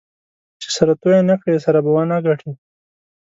چې سره توی نه کړې؛ سره به و نه ګټې.